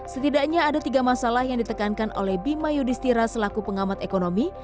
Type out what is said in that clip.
setidaknya ada tiga masalah yang ditekankan oleh bima yudhistira selaku pengamat ekonomi